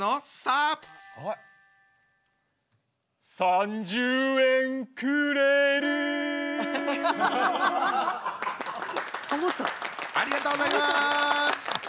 ありがとうございます！